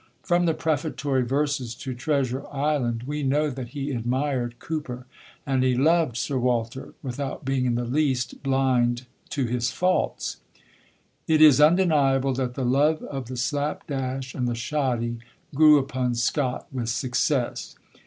From the prefatory verses to Treasure Island, we know that he admired Cooper; and he loved Sir Walter, without being in the least blind to his faults. "It is undeniable that the love of the slap dash and the shoddy grew upon Scott with success."